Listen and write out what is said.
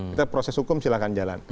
kita proses hukum silahkan jalan